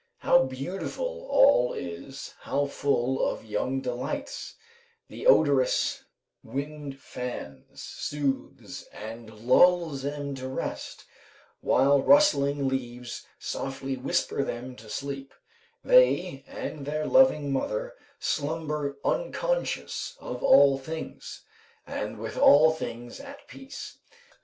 How beautiful all is, how full of young delights; the odorous wind fans, soothes, and lulls them to rest, while rustling leaves softly whisper them to sleep they and their loving mother slumber unconscious of all things, and with all things at peace.